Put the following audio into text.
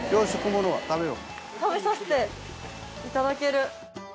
食べさせていただける。